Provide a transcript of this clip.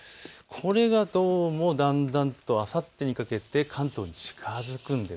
これがどうもあさってにかけて関東に近づくんです。